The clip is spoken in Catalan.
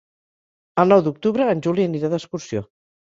El nou d'octubre en Juli anirà d'excursió.